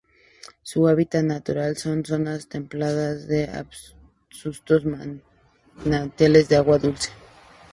Su hábitat natural son zonas templadas de arbustos y manantiales de agua dulce.